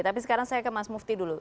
tapi sekarang saya ke mas mufti dulu